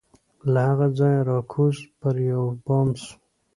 له هغه ځایه را کوز پر یوه بام سو